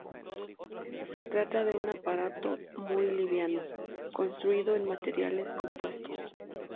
Se trata de un aparato "Muy Liviano" construido en materiales compuestos.